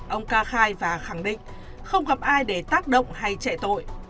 ông ca khai và khẳng định không gặp ai để tác động hay trẻ tôi